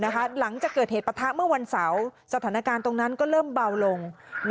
หลังจากเกิดเหตุปะทะเมื่อวันเสาร์สถานการณ์ตรงนั้นก็เริ่มเบาลง